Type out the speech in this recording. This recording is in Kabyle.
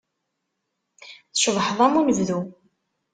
Tcebḥeḍ am unebdu.